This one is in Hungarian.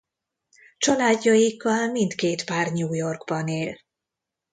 Családjaikkal mindkét pár New Yorkban él.